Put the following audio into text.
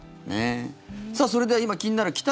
さあ、それでは今、気になる